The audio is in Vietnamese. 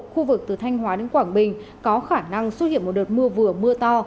khu vực từ thanh hóa đến quảng bình có khả năng xuất hiện một đợt mưa vừa mưa to